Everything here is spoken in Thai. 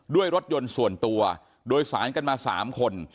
ด้วยรถยนต์ส่วนตัวโดยสารกันมา๓คน